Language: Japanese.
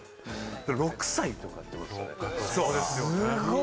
６歳とかってことですよね。